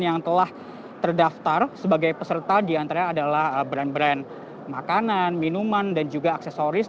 yang telah terdaftar sebagai peserta diantara adalah brand brand makanan minuman dan juga aksesoris